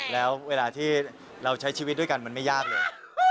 แล้วเวลาที่เราใช้ชีวิตด้วยกันมันไม่ยากเลย